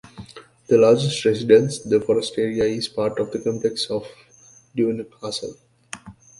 The largest residence, the Foresteria is part of the complex of the Duino castle.